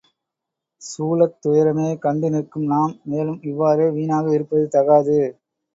சூழத் துயரமே கண்டு நிற்கும் நாம், மேலும் இவ்வாறே வீணாக இருப்பது தகாது.